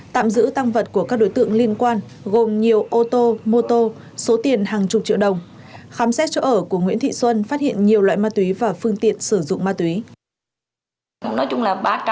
tạm giữ tăng vật của các đối tượng liên quan gồm nhiều ô tô mô tô số tiền hàng chục triệu đồng